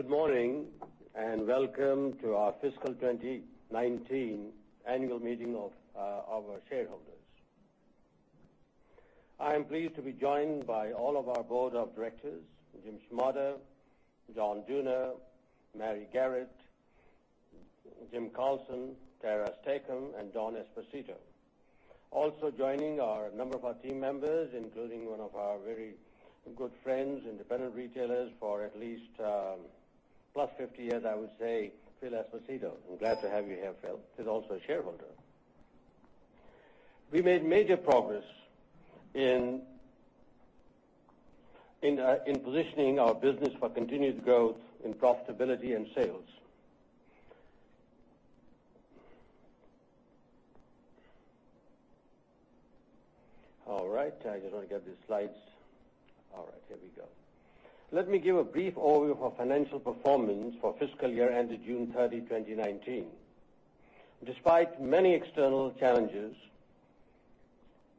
Good morning, welcome to our fiscal 2019 annual meeting of our shareholders. I am pleased to be joined by all of our board of directors, Jim Schmotter, John Dooner, Mary Garrett, Jim Carlson, Tara Stacom, and Don Esposito. Also joining are a number of our team members, including one of our very good friends, independent retailers for at least plus 50 years, I would say, Phil Esposito. I'm glad to have you here, Phil. He's also a shareholder. We made major progress in positioning our business for continued growth in profitability and sales. All right. I just want to get these slides. All right. Here we go. Let me give a brief overview of our financial performance for fiscal year ended June 30, 2019. Despite many external challenges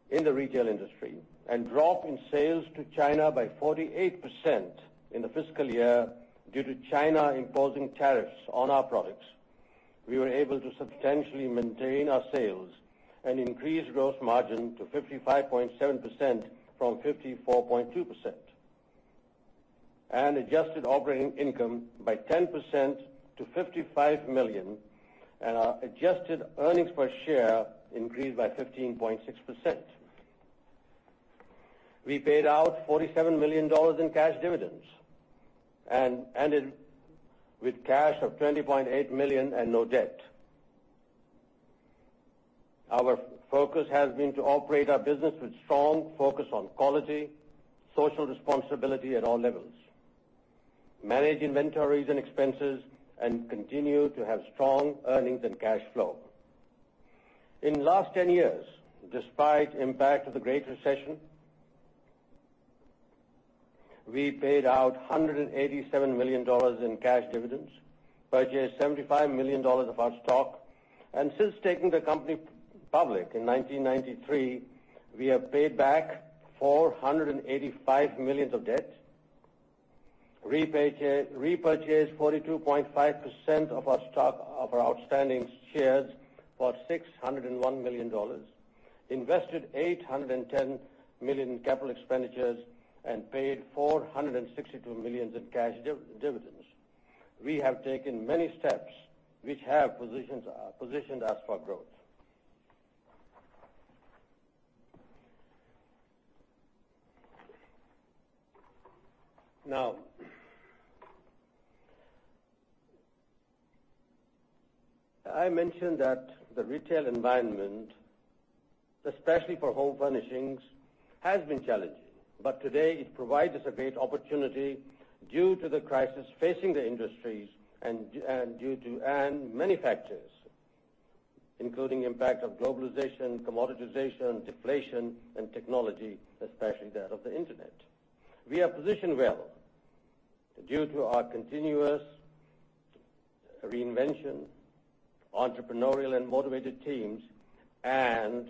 in the retail industry and drop in sales to China by 48% in the fiscal year due to China imposing tariffs on our products, we were able to substantially maintain our sales and increase gross margin to 55.7% from 54.2%, and adjusted operating income by 10% to $55 million and our adjusted earnings per share increased by 15.6%. We paid out $47 million in cash dividends and ended with cash of $20.8 million and no debt. Our focus has been to operate our business with strong focus on quality, social responsibility at all levels, manage inventories and expenses, and continue to have strong earnings and cash flow. In last 10 years, despite impact of the Great Recession, we paid out $187 million in cash dividends, purchased $75 million of our stock. Since taking the company public in 1993, we have paid back $485 million of debt, repurchased 42.5% of our stock of our outstanding shares for $601 million, invested $810 million in capital expenditures, and paid $462 million in cash dividends. We have taken many steps which have positioned us for growth. I mentioned that the retail environment, especially for home furnishings, has been challenging. Today it provides us a great opportunity due to the crisis facing the industries and many factors, including impact of globalization, commoditization, deflation, and technology, especially that of the internet. We are positioned well due to our continuous reinvention, entrepreneurial and motivated teams and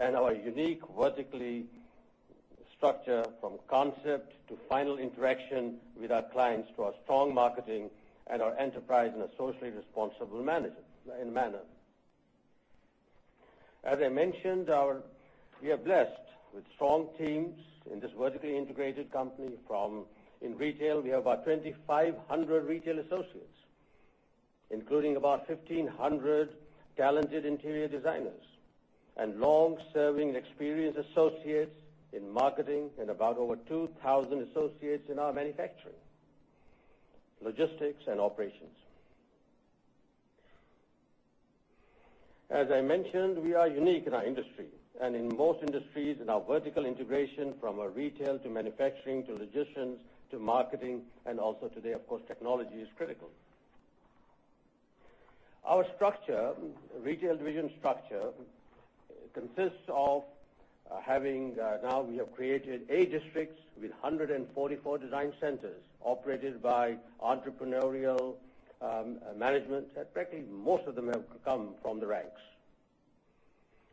our unique vertically structured from concept to final interaction with our clients to our strong marketing and our enterprise and a socially responsible manner. As I mentioned, we are blessed with strong teams in this vertically integrated company from in retail, we have about 2,500 retail associates, including about 1,500 talented interior designers and long-serving experienced associates in marketing and about over 2,000 associates in our manufacturing, logistics, and operations. As I mentioned, we are unique in our industry and in most industries in our vertical integration from our retail to manufacturing, to logistics, to marketing. Also today, of course, technology is critical. Our retail division structure consists of having now we have created eight districts with 144 design centers operated by entrepreneurial management. Practically most of them have come from the ranks.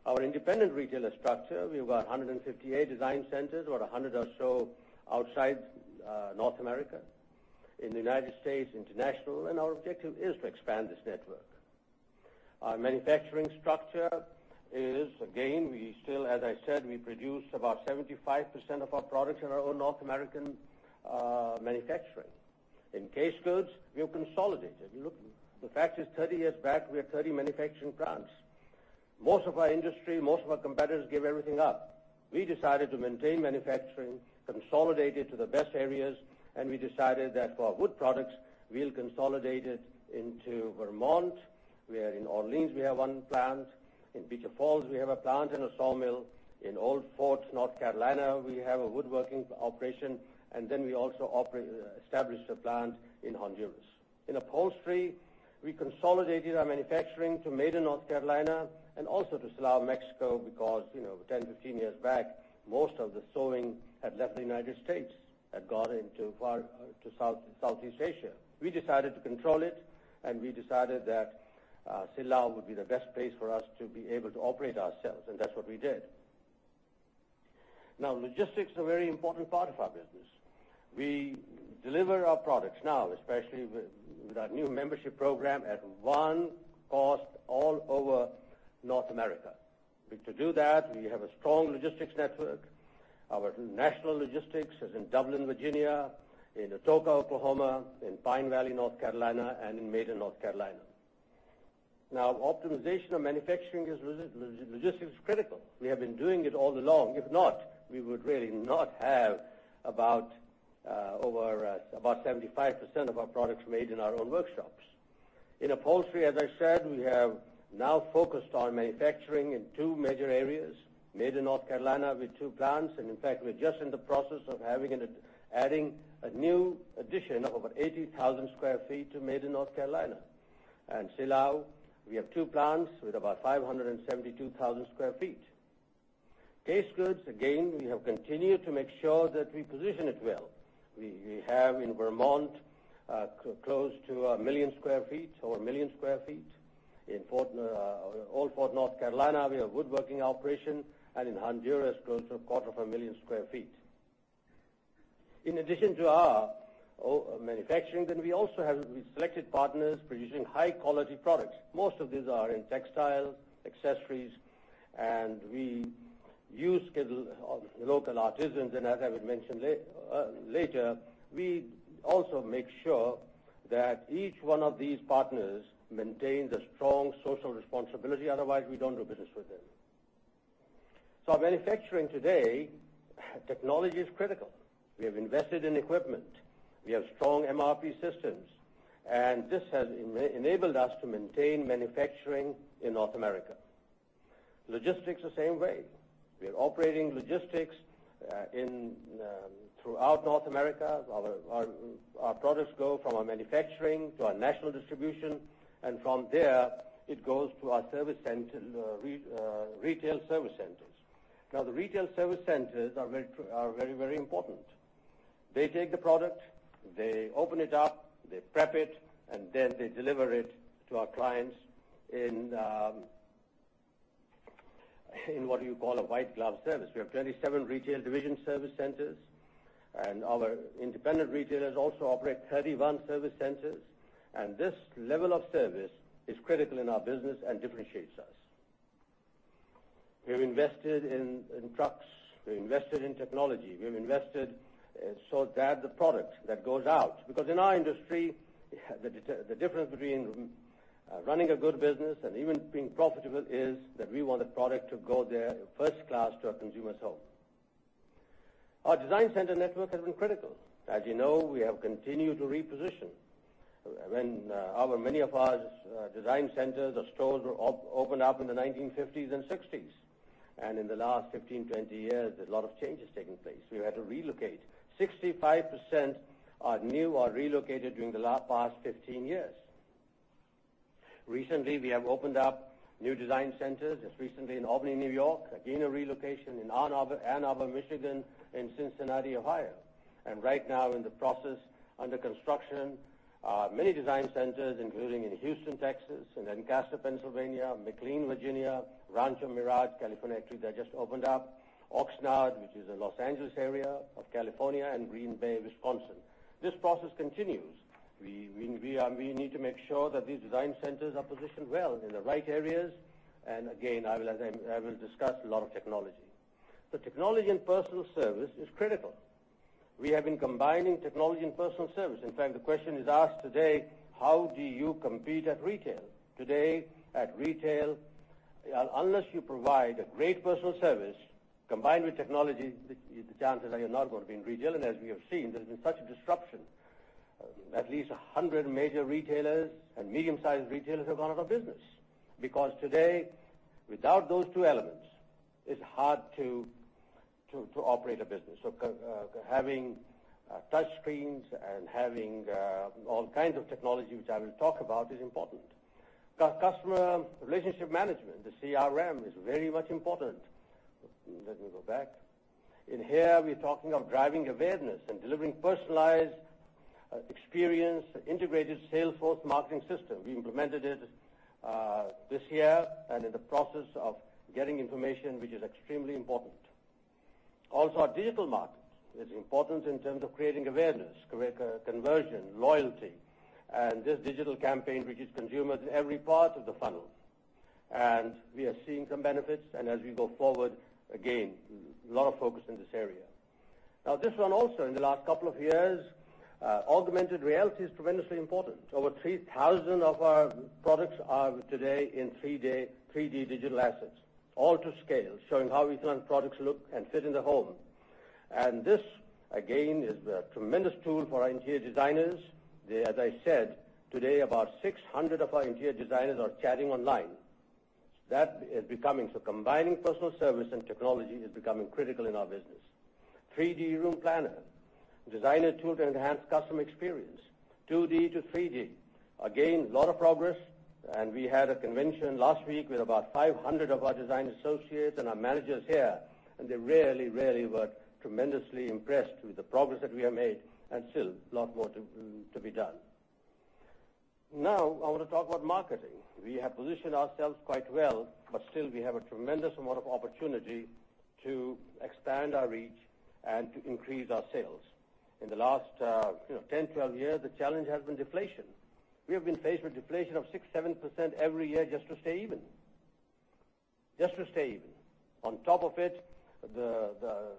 Our independent retailer structure, we have about 158 design centers or 100 or so outside North America, in the United States, international. Our objective is to expand this network. Our manufacturing structure is, again, we still, as I said, we produce about 75% of our products in our own North American manufacturing. In case goods, we have consolidated. Look, the fact is 30 years back, we had 30 manufacturing plants. Most of our industry, most of our competitors gave everything up. We decided to maintain manufacturing, consolidate it to the best areas, and we decided that for our wood products, we'll consolidate it into Vermont, where in Orleans, we have one plant. In Beecher Falls, we have a plant and a sawmill. In Old Fort, North Carolina, we have a woodworking operation, and then we also established a plant in Honduras. In upholstery, we consolidated our manufacturing to Maiden, North Carolina, and also to Silao, Mexico, because 10, 15 years back, most of the sewing had left the U.S., had gone into far to Southeast Asia. We decided to control it, and we decided that Silao would be the best place for us to be able to operate ourselves, and that's what we did. Logistics are a very important part of our business. We deliver our products now, especially with our new membership program, at one cost all over North America. To do that, we have a strong logistics network. Our national logistics is in Dublin, Virginia, in Atoka, Oklahoma, in Pine Valley, North Carolina, and in Maiden, North Carolina. Optimization of manufacturing logistics is critical. We have been doing it all along. If not, we would really not have about 75% of our products made in our own workshops. In upholstery, as I said, we have now focused on manufacturing in 2 major areas, Maiden, North Carolina, with 2 plants. In fact, we're just in the process of adding a new addition of over 80,000 sq ft to Maiden, North Carolina. Silao, we have 2 plants with about 572,000 sq ft. Case goods, again, we have continued to make sure that we position it well. We have in Vermont, close to 1 million sq ft or 1 million sq ft. In Old Fort, North Carolina, we have a woodworking operation and in Honduras, close to a quarter of a million sq ft. In addition to our manufacturing, we also have selected partners producing high-quality products. Most of these are in textile, accessories, and we use local artisans. As I would mention later, we also make sure that each one of these partners maintains a strong social responsibility, otherwise, we don't do business with them. Our manufacturing today, technology is critical. We have invested in equipment. We have strong MRP systems, and this has enabled us to maintain manufacturing in North America. Logistics the same way. We are operating logistics throughout North America. Our products go from our manufacturing to our national distribution, and from there it goes to our retail service centers. The retail service centers are very important. They take the product, they open it up, they prep it, and then they deliver it to our clients in what you call a white glove service. We have 27 retail division service centers, and our independent retailers also operate 31 service centers. This level of service is critical in our business and differentiates us. We've invested in trucks. We've invested in technology. We have invested. Because in our industry, the difference between running a good business and even being profitable is that we want the product to go there first class to a consumer's home. Our design center network has been critical. As you know, we have continued to reposition. Many of our design centers or stores were opened up in the 1950s and '60s. In the last 15, 20 years, a lot of change has taken place. We've had to relocate. 65% are new or relocated during the past 15 years. Recently, we have opened up new design centers, just recently in Albany, N.Y., again, a relocation in Ann Arbor, Michigan, and Cincinnati, Ohio. Right now in the process, under construction, many design centers, including in Houston, Texas, in Lancaster, Pennsylvania, McLean, Virginia, Rancho Mirage, California, actually, they just opened up. Oxnard, which is a Los Angeles area of California, and Green Bay, Wisconsin. This process continues. We need to make sure that these design centers are positioned well in the right areas and again, as I will discuss, a lot of technology. Technology and personal service is critical. We have been combining technology and personal service. In fact, the question is asked today, how do you compete at retail? Today, at retail, unless you provide a great personal service combined with technology, the chances are you're not going to be in retail. As we have seen, there's been such a disruption. At least 100 major retailers and medium-sized retailers have gone out of business. Today, without those two elements, it's hard to operate a business. Having touch screens and having all kinds of technology, which I will talk about, is important. Customer relationship management, the CRM, is very much important. Let me go back. In here, we're talking of driving awareness and delivering personalized experience, integrated Salesforce marketing system. We implemented it this year and in the process of getting information, which is extremely important. Also, our digital markets is important in terms of creating awareness, conversion, loyalty. This digital campaign reaches consumers in every part of the funnel. We are seeing some benefits, and as we go forward, again, a lot of focus in this area. Now, this one also in the last couple of years, augmented reality is tremendously important. Over 3,000 of our products are today in 3D digital assets, all to scale, showing how Ethan Allen products look and fit in the home. This, again, is a tremendous tool for our interior designers. As I said, today about 600 of our interior designers are chatting online. Combining personal service and technology is becoming critical in our business. 3D room planner, designer tool to enhance customer experience. 2D to 3D. Again, a lot of progress, and we had a convention last week with about 500 of our design associates and our managers here, and they really were tremendously impressed with the progress that we have made, and still a lot more to be done. Now I want to talk about marketing. We have positioned ourselves quite well, but still we have a tremendous amount of opportunity to expand our reach and to increase our sales. In the last 10, 12 years, the challenge has been deflation. We have been faced with deflation of 6%, 7% every year just to stay even. On top of it, the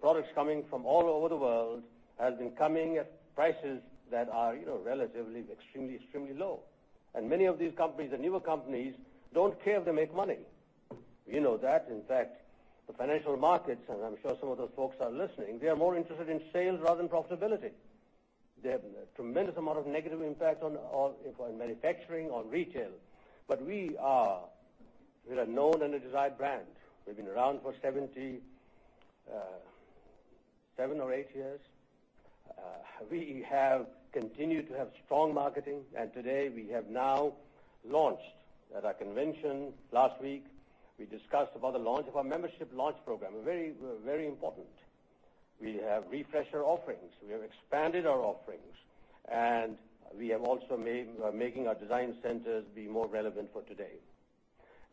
products coming from all over the world have been coming at prices that are relatively extremely low. Many of these companies, the newer companies, don't care if they make money. You know that. In fact, the financial markets, I'm sure some of those folks are listening, they are more interested in sales rather than profitability. They have a tremendous amount of negative impact on manufacturing, on retail. We are a known and a desired brand. We've been around for 77 or eight years. We have continued to have strong marketing, today we have now launched at our convention last week. We discussed about the launch of our membership launch program, very important. We have refreshed our offerings, we have expanded our offerings, and we have also making our design centers be more relevant for today.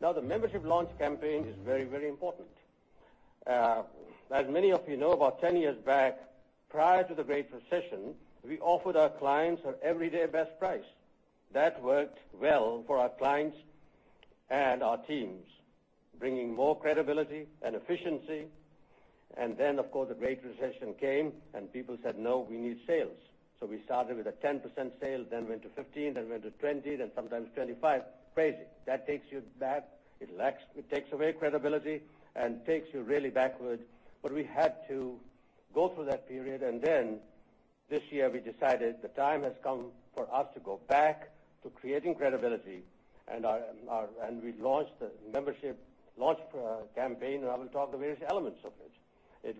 The membership launch campaign is very important. As many of you know, about 10 years back, prior to the Great Recession, we offered our clients our everyday best price. That worked well for our clients and our teams, bringing more credibility and efficiency. Of course, the Great Recession came and people said, "No, we need sales." We started with a 10% sale, then went to 15%, then went to 20%, and sometimes 25%. Crazy. That takes you back. It takes away credibility and takes you really backward. We had to go through that period. This year we decided the time has come for us to go back to creating credibility. We launched the membership launch campaign, and I will talk the various elements of it. It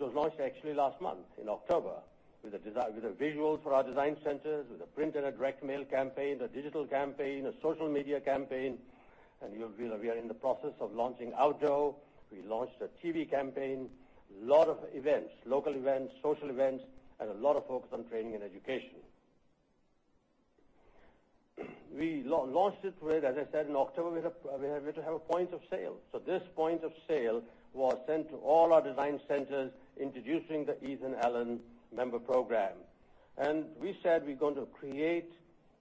was launched actually last month in October with a visual for our design centers, with a print and a direct mail campaign, a digital campaign, a social media campaign, and we are in the process of launching outdoor. We launched a TV campaign. Lot of events, local events, social events, and a lot of focus on training and education. We launched it with, as I said, in October, we have a point of sale. This point of sale was sent to all our design centers introducing the Ethan Allen member program. We said we're going to create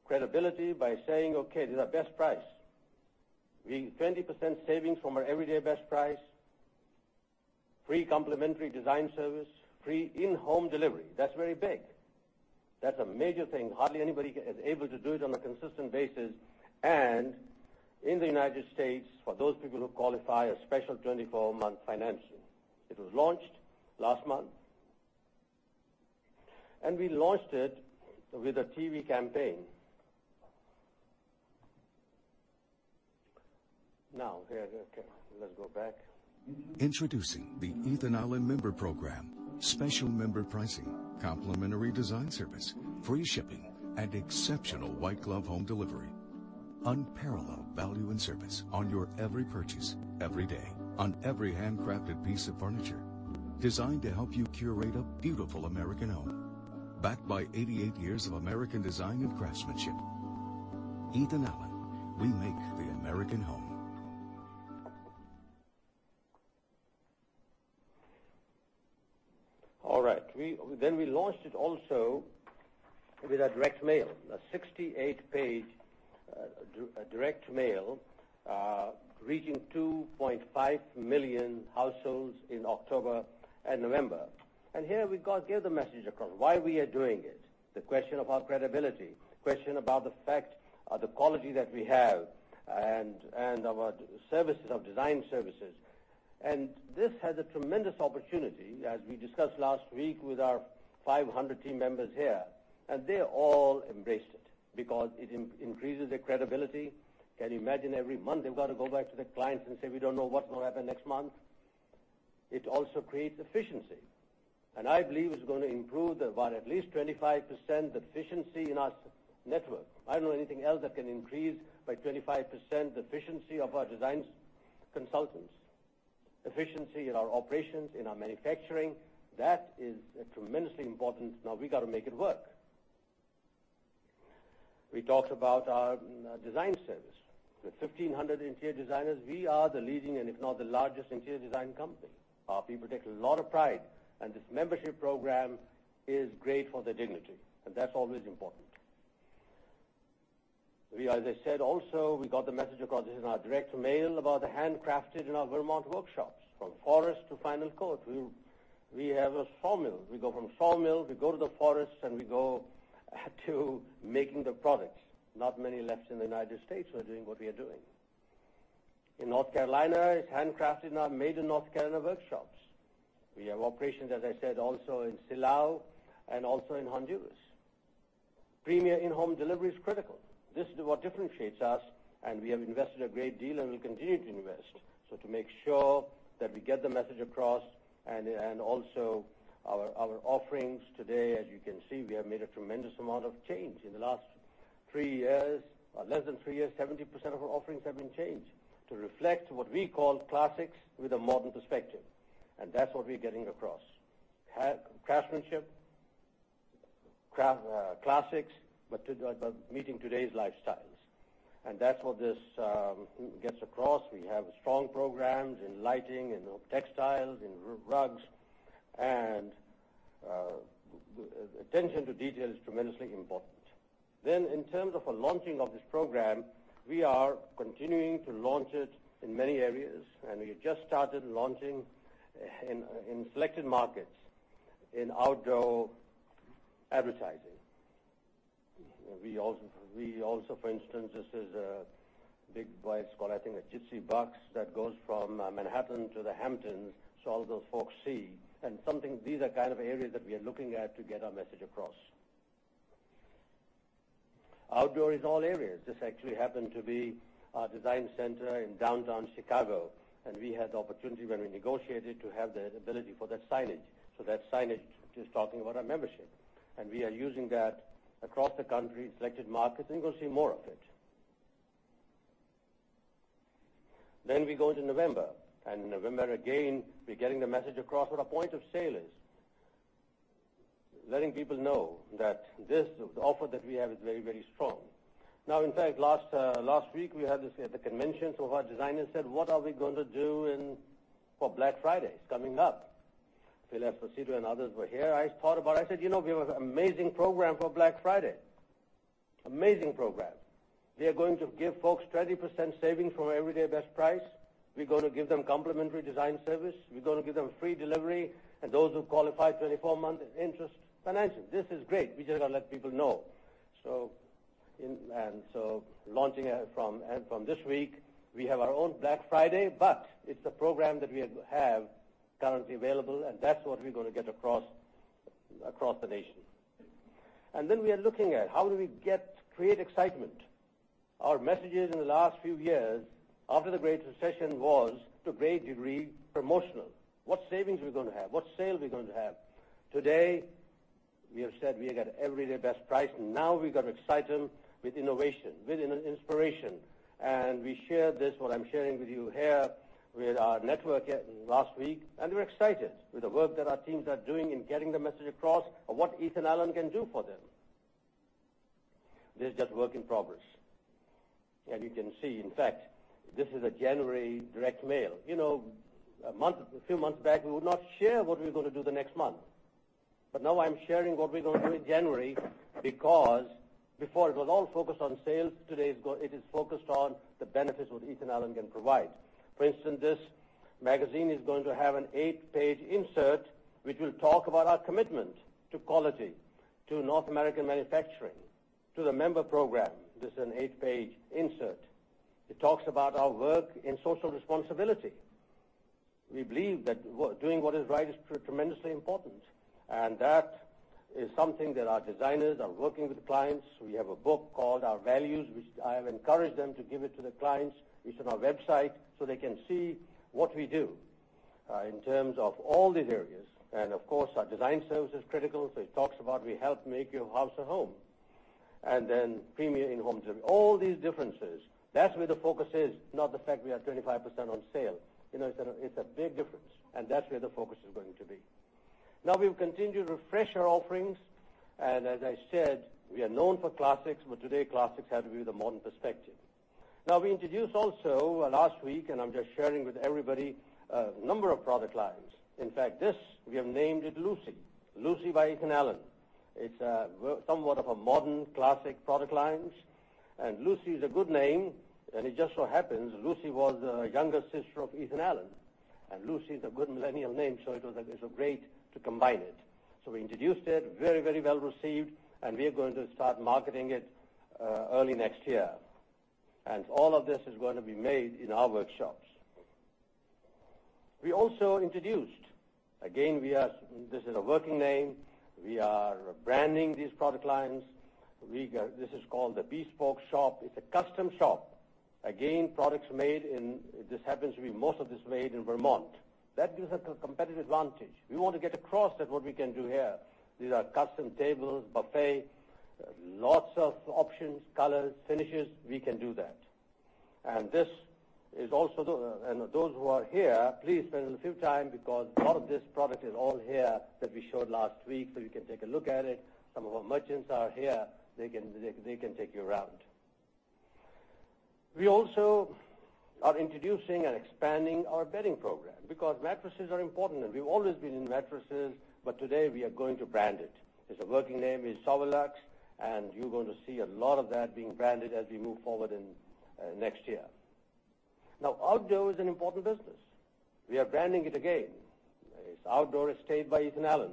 credibility by saying, "Okay, this is our best price." 20% savings from our everyday best price, free complimentary design service, free in-home delivery. That's very big. That's a major thing. Hardly anybody is able to do it on a consistent basis. In the U.S., for those people who qualify, a special 24-month financing was launched last month. We launched it with a TV campaign. Now, here, let's go back. Introducing the Ethan Allen member program. Special member pricing, complimentary design service, free shipping, and exceptional white glove home delivery. Unparalleled value and service on your every purchase, every day, on every handcrafted piece of furniture. Designed to help you curate a beautiful American home. Backed by 88 years of American design and craftsmanship. Ethan Allen, we make the American home. All right. We launched it also with a direct mail, a 68-page direct mail, reaching 2.5 million households in October and November. Here we gave the message across why we are doing it. The question about credibility, question about the fact of the quality that we have and our services of design services. This has a tremendous opportunity, as we discussed last week with our 500 team members here, and they all embraced it because it increases their credibility. Can you imagine every month they've got to go back to the clients and say, "We don't know what's going to happen next month." It also creates efficiency, and I believe it's going to improve about at least 25% the efficiency in our network. I don't know anything else that can increase by 25% the efficiency of our design consultants. Efficiency in our operations, in our manufacturing. That is tremendously important. Now we got to make it work. We talked about our design service. With 1,500 interior designers, we are the leading, and if not the largest interior design company. Our people take a lot of pride, and this membership program is great for their dignity, and that's always important. As I said, also, we got the message across in our direct mail about the handcrafted in our Vermont workshops, from forest to final coat. We have a sawmill. We go from sawmill, we go to the forests, and we go to making the products. Not many left in the United States who are doing what we are doing. In North Carolina, it's handcrafted and are made in North Carolina workshops. We have operations, as I said, also in Silao and also in Honduras. Premier in-home delivery is critical. This is what differentiates us, and we have invested a great deal, and we'll continue to invest. To make sure that we get the message across and also our offerings today, as you can see, we have made a tremendous amount of change in the last three years, or less than three years, 70% of our offerings have been changed to reflect what we call classics with a modern perspective. That's what we're getting across. Craftsmanship, classics, but meeting today's lifestyles. That's what this gets across. We have strong programs in lighting and textiles, in rugs, and attention to detail is tremendously important. In terms of a launching of this program, we are continuing to launch it in many areas, and we just started launching in selected markets, in outdoor advertising. We also, for instance, this is what is it called? I think a gypsy bus that goes from Manhattan to The Hamptons, so all those folks see. These are areas that we are looking at to get our message across. Outdoor is all areas. This actually happened to be our design center in downtown Chicago, and we had the opportunity when we negotiated to have the ability for that signage. That signage is talking about our membership, and we are using that across the country, selected markets, and you're going to see more of it. We go to November. November, again, we're getting the message across what a point of sale is. Letting people know that this, the offer that we have, is very, very strong. Now, in fact, last week, we had this at the convention. Our designers said, "What are we going to do for Black Friday? It's coming up." Philip Fucito and others were here. I thought about it. I said, "We have an amazing program for Black Friday." Amazing program. We are going to give folks 20% savings from our everyday best price. We're going to give them complimentary design service. We're going to give them free delivery and those who qualify, 24-month interest financing. This is great. We just got to let people know. So launching from this week, we have our own Black Friday, but it's the program that we have currently available, and that's what we're going to get across the nation. Then we are looking at how do we create excitement. Our messages in the last few years, after the Great Recession was, to a great degree, promotional. What savings are we going to have? What sale are we going to have? Today, we have said we have got everyday best price, now we got to excite them with innovation, with inspiration. We shared this, what I'm sharing with you here, with our network last week, they were excited with the work that our teams are doing in getting the message across of what Ethan Allen can do for them. This is just work in progress. You can see, in fact, this is a January direct mail. A few months back, we would not share what we're going to do the next month. Now I'm sharing what we're going to do in January because before, it was all focused on sales. Today, it is focused on the benefits what Ethan Allen can provide. For instance, this magazine is going to have an eight-page insert which will talk about our commitment to quality, to North American manufacturing, to the member program. This is an eight-page insert. It talks about our work in social responsibility. We believe that doing what is right is tremendously important, and that is something that our designers are working with clients. We have a book called "Our Values," which I have encouraged them to give it to the clients. It's on our website, so they can see what we do, in terms of all these areas. Of course, our design service is critical, so it talks about we help make your house a home. Then premier in-home delivery. All these differences. That's where the focus is, not the fact we are 25% on sale. It's a big difference, and that's where the focus is going to be. We've continued to refresh our offerings, as I said, we are known for classics, but today classics have to be with a modern perspective. We introduced also, last week, I'm just sharing with everybody, a number of product lines. This, we have named it Lucy. Lucy by Ethan Allen. It's somewhat of a modern classic product lines. Lucy is a good name, it just so happens Lucy was the younger sister of Ethan Allen. Lucy is a good millennial name, it was great to combine it. We introduced it. Very, very well received and we are going to start marketing it early next year. All of this is going to be made in our workshops. We also introduced, again, this is a working name. We are branding these product lines. This is called the Bespoke Shop. It's a custom shop. Again, this happens to be most of this made in Vermont. That gives us a competitive advantage. We want to get across that what we can do here. These are custom tables, buffet, lots of options, colors, finishes. We can do that. Those who are here, please spend a few time because a lot of this product is all here that we showed last week, so you can take a look at it. Some of our merchants are here. They can take you around. We also are introducing and expanding our bedding program because mattresses are important, and we've always been in mattresses, but today we are going to brand it. Its working name is Soverlux, and you're going to see a lot of that being branded as we move forward in next year. Now, outdoor is an important business. We are branding it again. It's Outdoor Estate by Ethan Allen.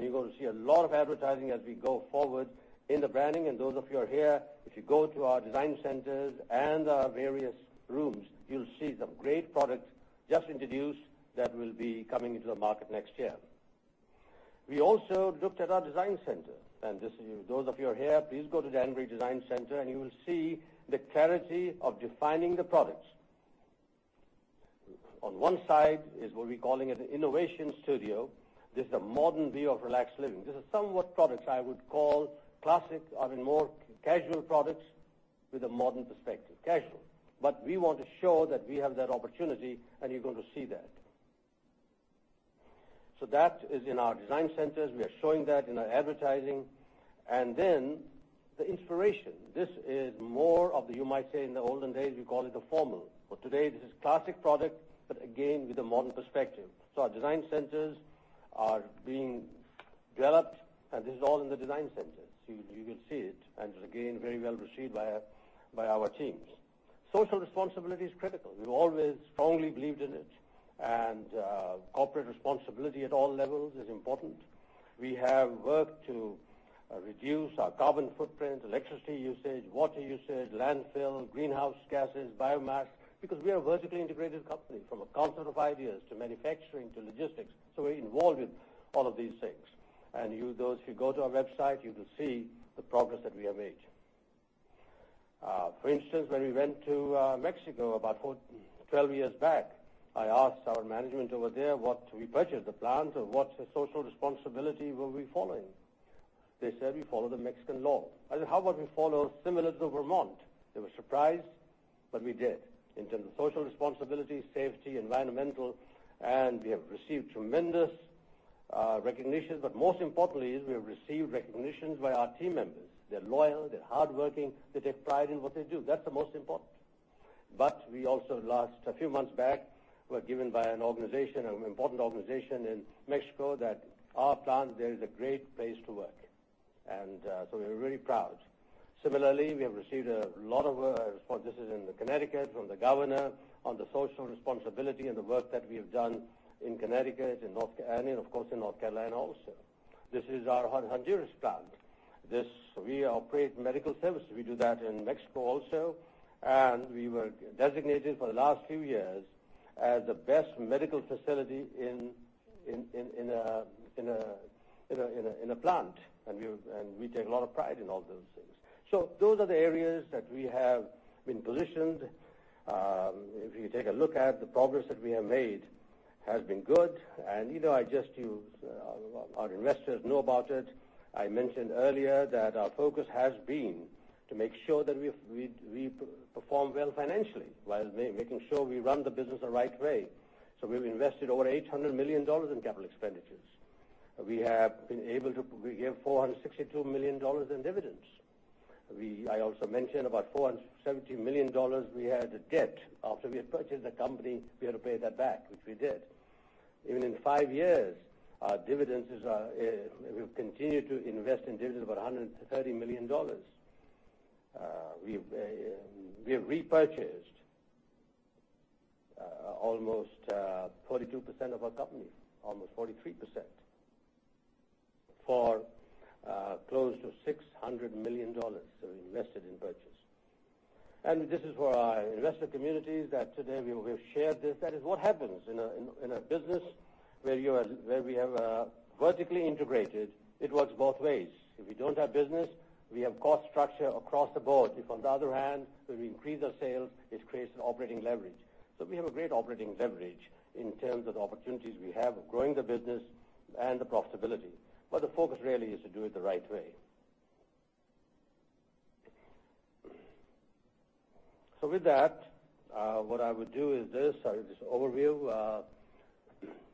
You're going to see a lot of advertising as we go forward in the branding. Those of you who are here, if you go to our design centers and our various rooms, you'll see some great products just introduced that will be coming into the market next year. We also looked at our design center. Those of you who are here, please go to the Danbury Design Center and you will see the clarity of defining the products. On one side is what we're calling it an innovation studio. This is a modern view of relaxed living. This is some products I would call classic, or more casual products with a modern perspective. Casual. We want to show that we have that opportunity. You're going to see that. That is in our design centers. We are showing that in our advertising. The inspiration, this is more of the, you might say, in the olden days, we call it the formal. Today, this is classic product, but again, with a modern perspective. Our design centers are being developed, and this is all in the design centers. You will see it. Again, very well received by our teams. Social responsibility is critical. We've always strongly believed in it, and corporate responsibility at all levels is important. We have worked to reduce our carbon footprint, electricity usage, water usage, landfill, greenhouse gases, biomass, because we are a vertically integrated company, from a concept of ideas to manufacturing to logistics. We're involved in all of these things. Those who go to our website, you will see the progress that we have made. For instance, when we went to Mexico about 12 years back, I asked our management over there, we purchased the plant, "What social responsibility were we following?" They said, "We follow the Mexican law." I said, "How about we follow similar to Vermont?" They were surprised. We did in terms of social responsibility, safety, environmental, and we have received tremendous recognition. Most importantly is we have received recognitions by our team members. They're loyal, they're hardworking, they take pride in what they do. That's the most important. We also, a few months back, were given by an important organization in Mexico that our plant there is a great place to work. We're really proud. Similarly, we have received a lot of responses in Connecticut from the governor on the social responsibility and the work that we have done in Connecticut and of course, in North Carolina also. This is our Honduras plant. We operate medical services. We do that in Mexico also. We were designated for the last few years as the best medical facility in a plant, and we take a lot of pride in all those things. Those are the areas that we have been positioned. If you take a look at the progress that we have made, has been good, and our investors know about it. I mentioned earlier that our focus has been to make sure that we perform well financially while making sure we run the business the right way. We've invested over $800 million in capital expenditures. We have been able to give $462 million in dividends. I also mentioned about $470 million we had debt. After we had purchased the company, we had to pay that back, which we did. Even in five years, we've continued to invest in dividends of $130 million. We have repurchased almost 42% of our company, almost 43%, for close to $600 million we invested in purchase. This is for our investor communities that today we've shared this. That is what happens in a business where we have vertically integrated. It works both ways. If we don't have business, we have cost structure across the board. If on the other hand, we increase our sales, it creates an operating leverage. We have a great operating leverage in terms of the opportunities we have of growing the business and the profitability. The focus really is to do it the right way. With that, what I would do is this overview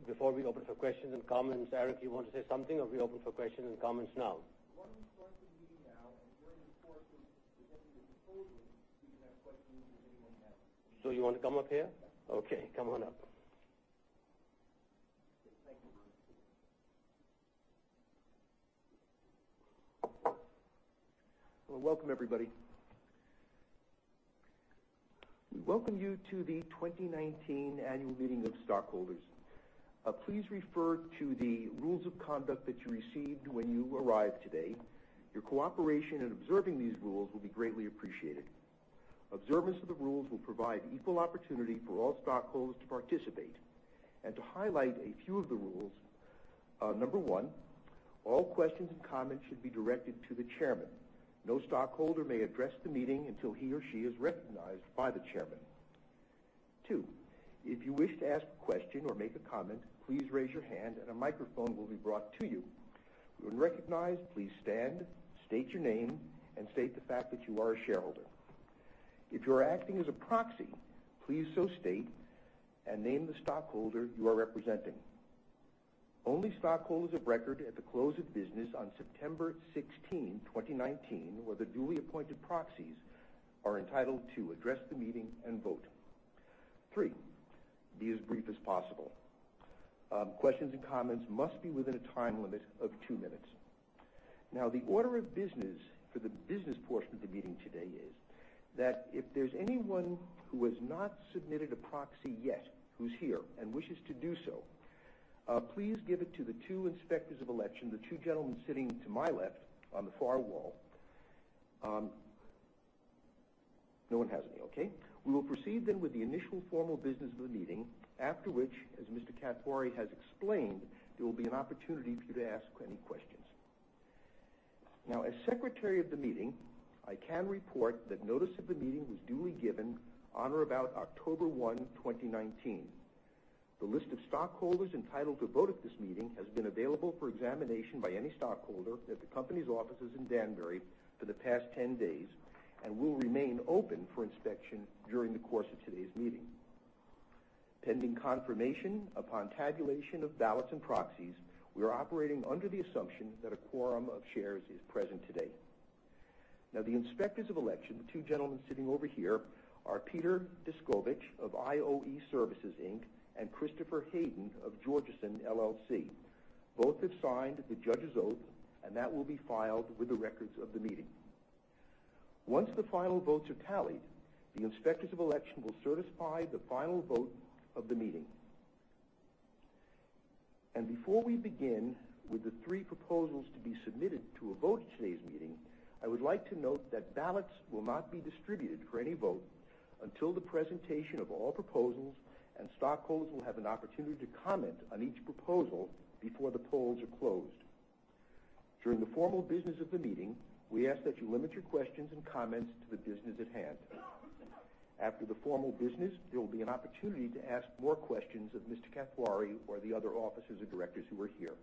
before we open for questions and comments. Eric, you want to say something, or we open for questions and comments now? Why don't we start the meeting now, and during the course of presenting this overview, we can have questions if anyone has any. You want to come up here? Yeah. Okay. Come on up. Thank you. Well, welcome, everybody. We welcome you to the 2019 annual meeting of stockholders. Please refer to the rules of conduct that you received when you arrived today. Your cooperation in observing these rules will be greatly appreciated. Observance of the rules will provide equal opportunity for all stockholders to participate. To highlight a few of the rules, number one, all questions and comments should be directed to the chairman. No stockholder may address the meeting until he or she is recognized by the chairman. Two, if you wish to ask a question or make a comment, please raise your hand and a microphone will be brought to you. When recognized, please stand, state your name, and state the fact that you are a shareholder. If you are acting as a proxy, please so state and name the stockholder you are representing. Only stockholders of record at the close of business on September 16, 2019, or their duly appointed proxies are entitled to address the meeting and vote. Three, be as brief as possible. Questions and comments must be within a time limit of two minutes. The order of business for the business portion of the meeting today is that if there's anyone who has not submitted a proxy yet who's here and wishes to do so, please give it to the two inspectors of election, the two gentlemen sitting to my left on the far wall. No one has any, okay. We will proceed then with the initial formal business of the meeting, after which, as Mr. Kathwari has explained, there will be an opportunity for you to ask any questions. As secretary of the meeting, I can report that notice of the meeting was duly given on or about October 1, 2019. The list of stockholders entitled to vote at this meeting has been available for examination by any stockholder at the company's offices in Danbury for the past 10 days and will remain open for inspection during the course of today's meeting. Pending confirmation upon tabulation of ballots and proxies, we are operating under the assumption that a quorum of shares is present today. The inspectors of election, the two gentlemen sitting over here, are Peter Descovich of IOE Services, Inc., and Christopher Hayden of Georgeson LLC. Both have signed the judge's oath, that will be filed with the records of the meeting. Once the final votes are tallied, the inspectors of election will certify the final vote of the meeting. Before we begin with the three proposals to be submitted to a vote at today's meeting, I would like to note that ballots will not be distributed for any vote until the presentation of all proposals, stockholders will have an opportunity to comment on each proposal before the polls are closed. During the formal business of the meeting, we ask that you limit your questions and comments to the business at hand. After the formal business, there will be an opportunity to ask more questions of Mr. Kathwari or the other officers or directors who are here.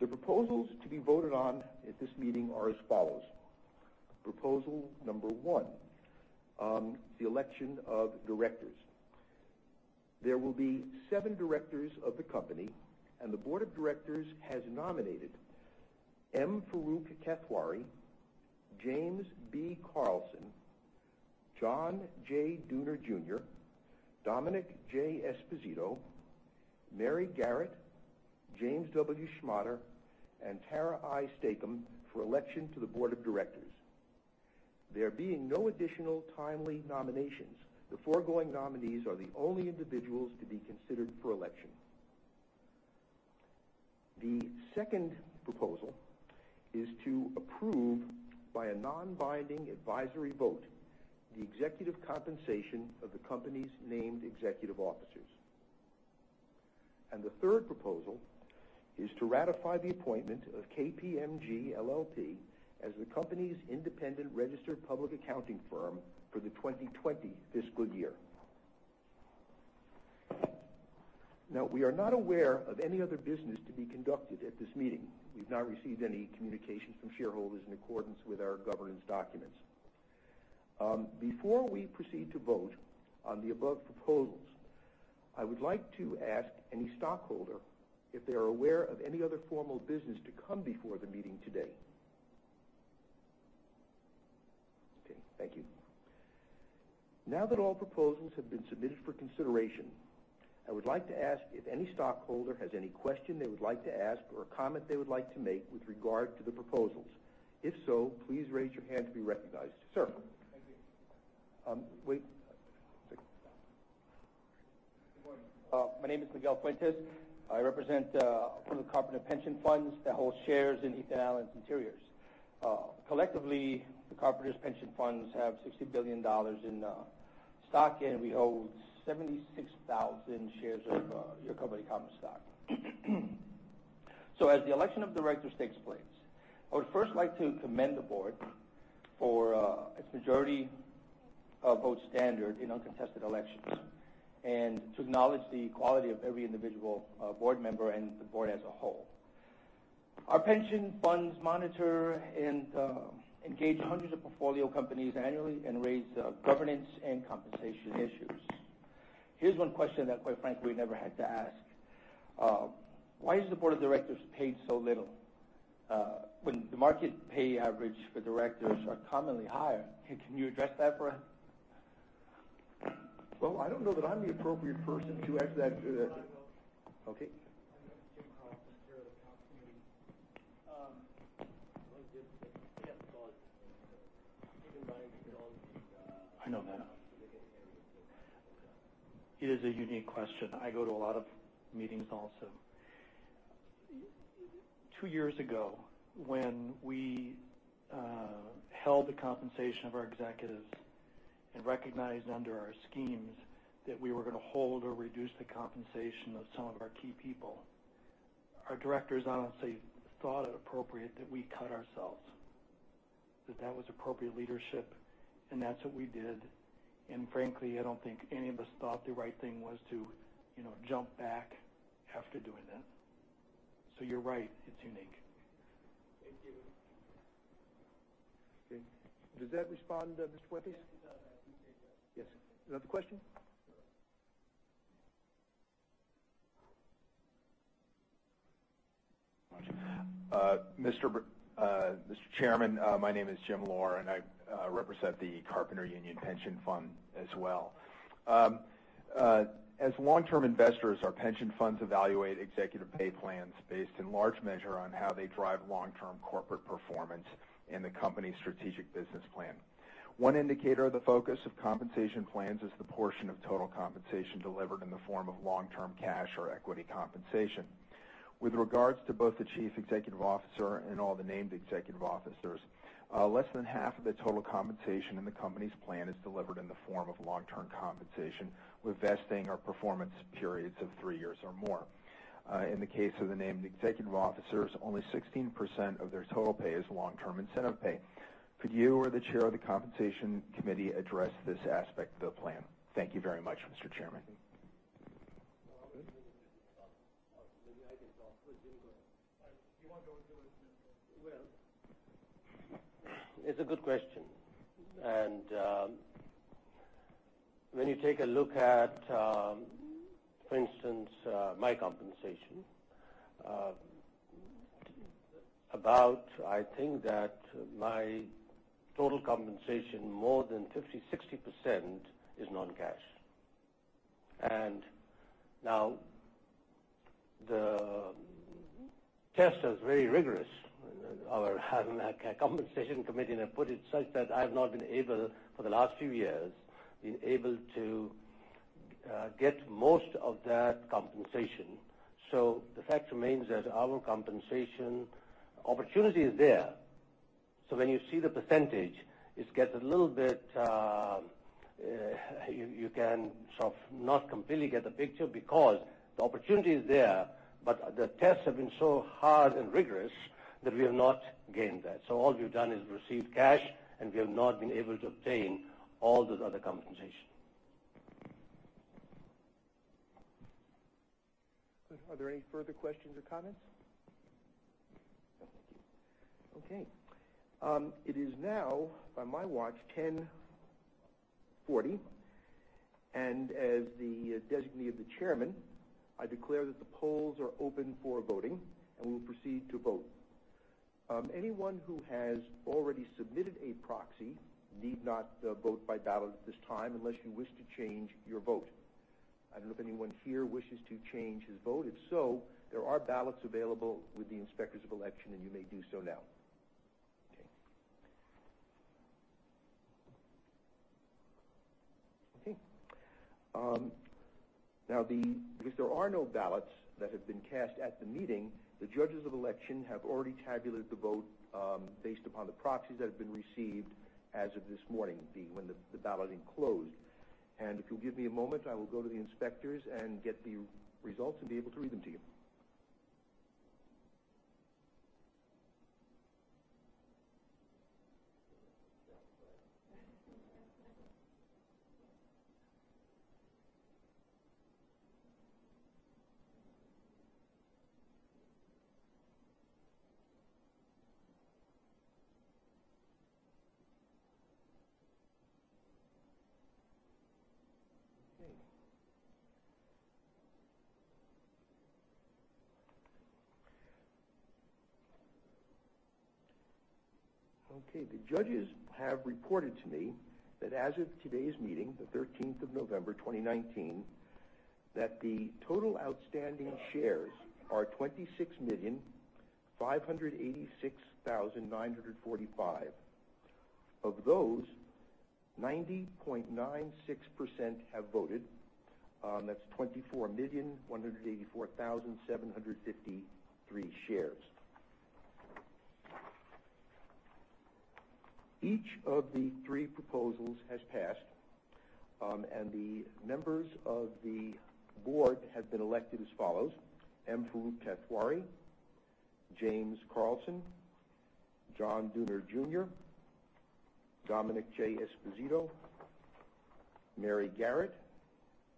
The proposals to be voted on at this meeting are as follows. Proposal number one, the election of directors. There will be seven directors of the company, and the board of directors has nominated M. Farooq Kathwari, James B. Carlson, John J. Dooner Jr., Domenick J. Esposito, Mary Garrett, James W. Schmotter, and Tara I. Stacom for election to the board of directors. There being no additional timely nominations, the foregoing nominees are the only individuals to be considered for election. The second proposal is to approve by a non-binding advisory vote the executive compensation of the company's named executive officers. The third proposal is to ratify the appointment of KPMG LLP as the company's independent registered public accounting firm for the 2020 fiscal year. Now, we are not aware of any other business to be conducted at this meeting. We've not received any communications from shareholders in accordance with our governance documents. Before we proceed to vote on the above proposals, I would like to ask any stockholder if they are aware of any other formal business to come before the meeting today. Okay, thank you. Now that all proposals have been submitted for consideration, I would like to ask if any stockholder has any question they would like to ask or a comment they would like to make with regard to the proposals. If so, please raise your hand to be recognized. Sir. Thank you. Wait. Good morning. My name is Miguel Fuentes. I represent one of the Carpenters pension funds that holds shares in Ethan Allen Interiors. Collectively, the Carpenters pension funds have $60 billion in stock, and we hold 76,000 shares of your company common stock. As the election of directors takes place, I would first like to commend the board for its majority vote standard in uncontested elections and to acknowledge the quality of every individual board member and the board as a whole. Our pension funds monitor and engage hundreds of portfolio companies annually and raise governance and compensation issues. Here's one question that, quite frankly, we never had to ask. Why is the board of directors paid so little when the market pay average for directors are commonly higher? Can you address that for us? Well, I don't know that I'm the appropriate person to answer that. I will. Okay. My name is Jim Carlson, chair of the Compensation Committee. I wanted to pick up the gauntlet. Even Ryan can field all of these. I know that. specific areas, but it is a unique question. I go to a lot of meetings also. Two years ago, when we held the compensation of our executives and recognized under our schemes that we were going to hold or reduce the compensation of some of our key people, our directors honestly thought it appropriate that we cut ourselves, that that was appropriate leadership, and that's what we did. Frankly, I don't think any of us thought the right thing was to jump back after doing that. You're right, it's unique. Thank you. Okay. Does that respond, Mr. Fuentes? Yes, it does. I appreciate that. Yes. Another question? Mr. Chairman, my name is Jim Lor. I represent the Carpenter Union Pension Fund as well. As long-term investors, our pension funds evaluate executive pay plans based in large measure on how they drive long-term corporate performance and the company's strategic business plan. One indicator of the focus of compensation plans is the portion of total compensation delivered in the form of long-term cash or equity compensation. With regards to both the Chief Executive Officer and all the named executive officers, less than half of the total compensation in the company's plan is delivered in the form of long-term compensation, with vesting or performance periods of three years or more. In the case of the named executive officers, only 16% of their total pay is long-term incentive pay. Could you or the chair of the compensation committee address this aspect of the plan? Thank you very much, Mr. Chairman. It's a good question. When you take a look at, for instance, my compensation, about, I think that my total compensation, more than 50%, 60% is non-cash. Now the test is very rigorous. Our compensation committee put it such that I've not been able for the last few years to get most of that compensation. The fact remains that our compensation opportunity is there. When you see the percentage, you can not completely get the picture because the opportunity is there, but the tests have been so hard and rigorous that we have not gained that. All we've done is received cash, and we have not been able to obtain all those other compensations. Good. Are there any further questions or comments? Thank you. Okay. It is now, by my watch, 10:40. As the designee of the chairman, I declare that the polls are open for voting, and we will proceed to vote. Anyone who has already submitted a proxy need not vote by ballot at this time unless you wish to change your vote. I don't know if anyone here wishes to change his vote. If so, there are ballots available with the inspectors of election, and you may do so now. Okay. Okay. Now, because there are no ballots that have been cast at the meeting, the judges of election have already tabulated the vote based upon the proxies that have been received as of this morning, when the balloting closed. If you'll give me a moment, I will go to the inspectors and get the results and be able to read them to you. Okay. The judges have reported to me that as of today's meeting, the 13th of November 2019, that the total outstanding shares are 26,586,945. Of those, 90.96% have voted. That's 24,184,753 shares. Each of the three proposals has passed, and the members of the board have been elected as follows: M. Farooq Kathwari, James Carlson, John Dooner Jr., Domenick J. Esposito, Mary Garrett,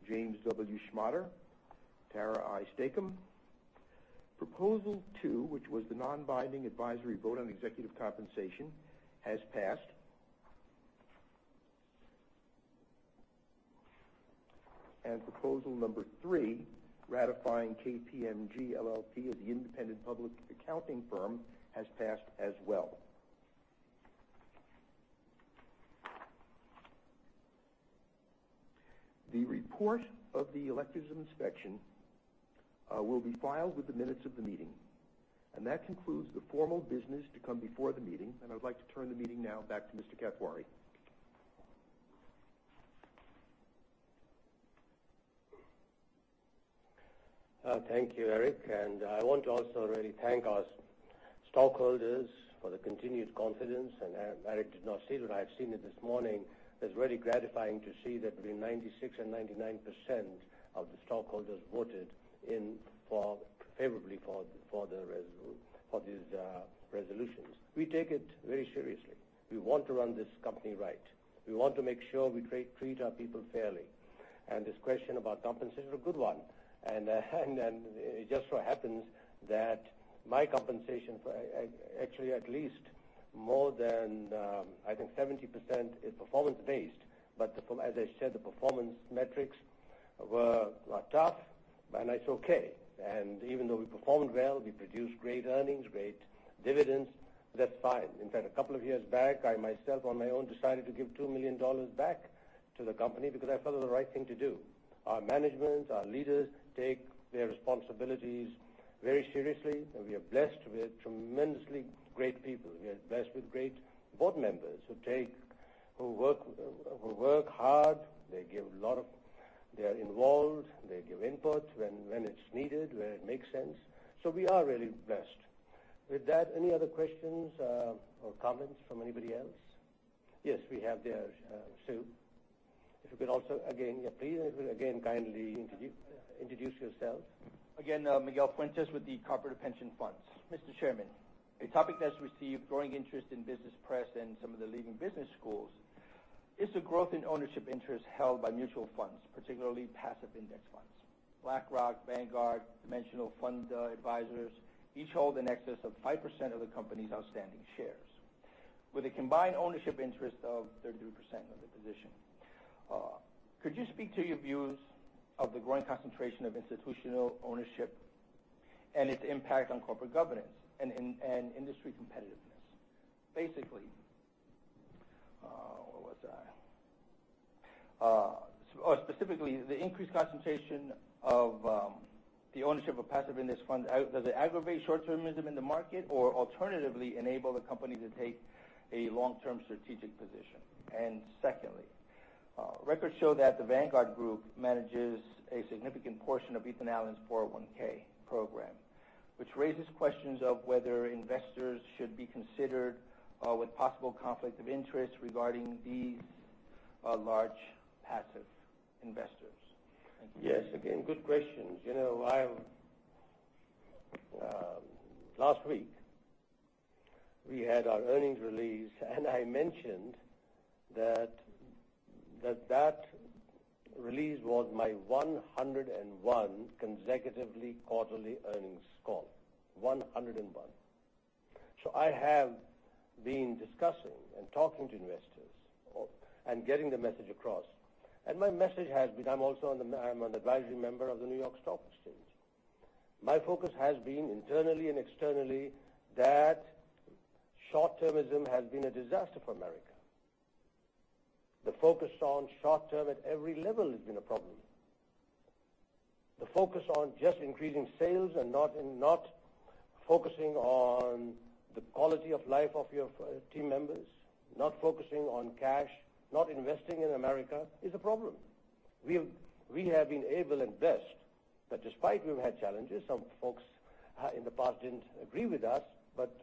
James W. Schmotter, Tara I. Stacom. Proposal 2, which was the non-binding advisory vote on executive compensation, has passed. Proposal number 3, ratifying KPMG LLP as the independent public accounting firm, has passed as well. The report of the electors of inspection will be filed with the minutes of the meeting. That concludes the formal business to come before the meeting, and I would like to turn the meeting now back to Mr. Kathwari. Thank you, Eric. I want to also really thank our stockholders for the continued confidence. Eric did not see what I've seen this morning. It's really gratifying to see that between 96% and 99% of the stockholders voted favorably for these resolutions. We take it very seriously. We want to run this company right. We want to make sure we treat our people fairly. This question about compensation is a good one. It just so happens that my compensation, actually at least more than, I think, 70% is performance-based. As I said, the performance metrics were tough, and that's okay. Even though we performed well, we produced great earnings, great dividends. That's fine. In fact, a couple of years back, I myself on my own decided to give $2 million back to the company because I felt it was the right thing to do. Our management, our leaders take their responsibilities very seriously, and we are blessed with tremendously great people. We are blessed with great board members who work hard. They are involved. They give input when it's needed, where it makes sense. We are really blessed. With that, any other questions or comments from anybody else? Yes, we have there, Sue. If you could also, again, please, again, kindly introduce yourselves. Again, Miguel Fuentes with the Carpenters pension funds. Mr. Chairman, a topic that's received growing interest in business press and some of the leading business schools is the growth in ownership interest held by mutual funds, particularly passive index funds. BlackRock, Vanguard, Dimensional Fund Advisors, each hold in excess of 5% of the company's outstanding shares, with a combined ownership interest of 32% of the position. Could you speak to your views of the growing concentration of institutional ownership and its impact on corporate governance and industry competitiveness? Basically, where was I? Oh, specifically, the increased concentration of the ownership of passive index funds, does it aggravate short-termism in the market or alternatively enable the company to take a long-term strategic position? Secondly, records show that the Vanguard Group manages a significant portion of Ethan Allen's 401(k) program, which raises questions of whether investors should be considered with possible conflict of interest regarding these large passive investors. Thank you. Yes, again, good questions. Last week, we had our earnings release, and I mentioned that that release was my 101 consecutively quarterly earnings call, 101. I have been discussing and talking to investors and getting the message across. My message has been, I'm also an advisory member of the New York Stock Exchange. My focus has been internally and externally that short-termism has been a disaster for America. The focus on short-term at every level has been a problem. The focus on just increasing sales and not focusing on the quality of life of your team members, not focusing on cash, not investing in America is a problem. We have been able, and blessed, that despite we've had challenges, some folks in the past didn't agree with us, but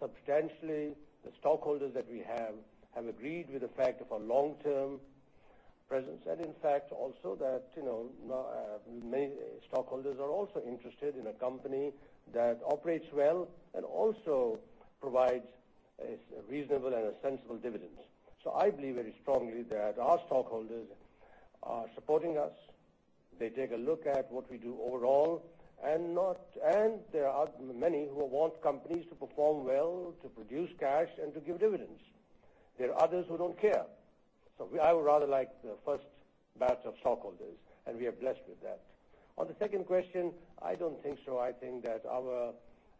substantially, the stockholders that we have agreed with the fact of our long-term presence. In fact, also that many stockholders are also interested in a company that operates well and also provides reasonable and sensible dividends. I believe very strongly that our stockholders are supporting us. They take a look at what we do overall. There are many who want companies to perform well, to produce cash, and to give dividends. There are others who don't care. I would rather like the first batch of stockholders, and we are blessed with that. On the second question, I don't think so.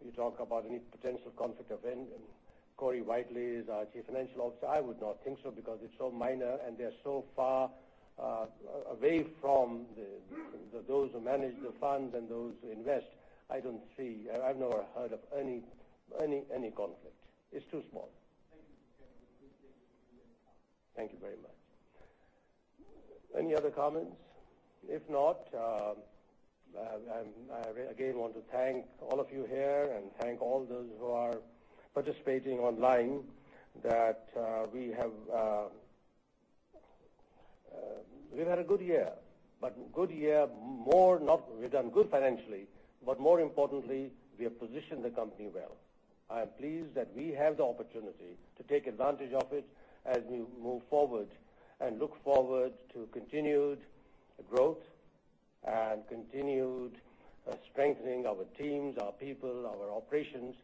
You talk about any potential conflict of interest. Corey Whitely is our Chief Financial Officer. I would not think so because it's so minor, and they're so far away from those who manage the funds and those who invest. I don't see, I've never heard of any conflict. It's too small. Thank you, Mr. Chairman. We appreciate you taking the time. Thank you very much. Any other comments? If not, I again want to thank all of you here and thank all those who are participating online that we've had a good year. We've done good financially, but more importantly, we have positioned the company well. I am pleased that we have the opportunity to take advantage of it as we move forward and look forward to continued growth and continued strengthening of our teams, our people, our operations.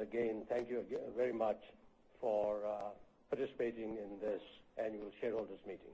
Again, thank you very much for participating in this annual shareholders meeting.